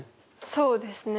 そうですね。